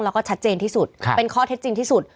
แล้วก็ชัดเจนที่สุดเป็นข้อเท็จจริงที่สุด